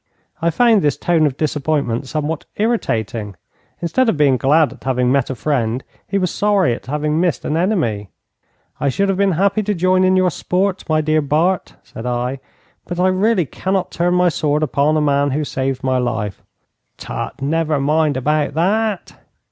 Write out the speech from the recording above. I found this tone of disappointment somewhat irritating. Instead of being glad at having met a friend, he was sorry at having missed an enemy. 'I should have been happy to join in your sport, my dear Bart,' said I. 'But I really cannot turn my sword upon a man who saved my life.' 'Tut, never mind about that.'